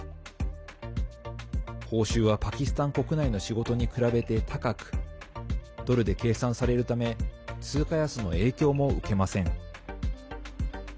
報酬は、パキスタン国内の仕事に比べて高くドルで計算されるため通貨安の影響も受けません。